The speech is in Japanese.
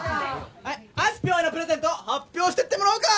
はいあすぴょんへのプレゼント発表してってもらおうか！